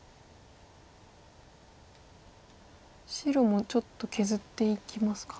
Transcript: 白もちょっと削っていきますか。